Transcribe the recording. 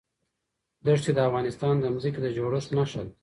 ښتې د افغانستان د ځمکې د جوړښت نښه ده.